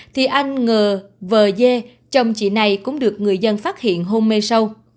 thì anh ngờ vờ dê chồng chị này cũng được người dân phát hiện hôn mê sâu